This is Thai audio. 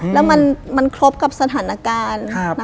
แล้วมันครบกับสถานการณ์